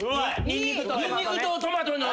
ニンニクとトマトの。